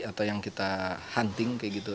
atau yang kita hunting kayak gitu